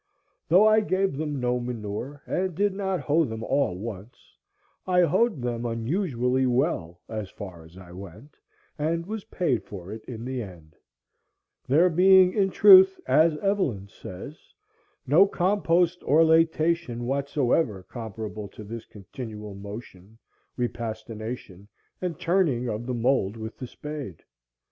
Though I gave them no manure, and did not hoe them all once, I hoed them unusually well as far as I went, and was paid for it in the end, "there being in truth," as Evelyn says, "no compost or lætation whatsoever comparable to this continual motion, repastination, and turning of the mould with the spade."